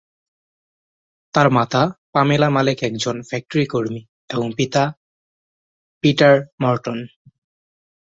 তার মাতা পামেলা মালেক একজন ফ্যাক্টরি কর্মী এবং পিতা পিটার মর্টন।